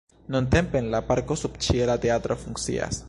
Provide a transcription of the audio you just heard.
Nuntempe en la parko subĉiela teatro funkcias.